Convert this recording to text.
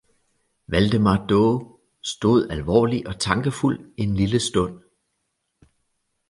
Valdemar Daae stod alvorlig og tankefuld, en lille Stund.